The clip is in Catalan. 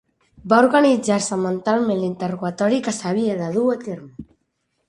Va organitzar-se mentalment l'interrogatori que s'havia de dur a terme.